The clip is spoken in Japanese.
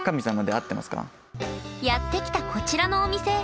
やって来たこちらのお店。